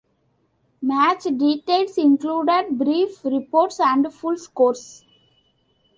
Match details included brief reports and full scores.